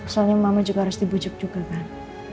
soalnya mama juga harus dibujuk juga kan